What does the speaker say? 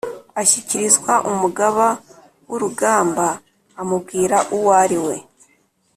ashyikirizwa umugaba wurugamba amubwira uwariwe